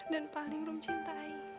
dan paling rum cintai